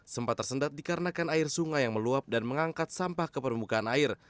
sempat tersendat dikarenakan air sungai yang meluap dan mengangkat sampah ke permukaan air